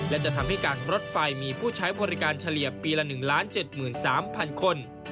และจะทำให้การรถไฟมีผู้ใช้บริการเฉลี่ยปีละ๑๗๓๐๐คน